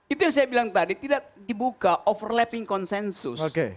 itu yang saya bilang tadi tidak dibuka overlapping konsensus